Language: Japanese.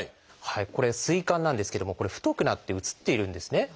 これ膵管なんですけどもこれ太くなって映っているんですね。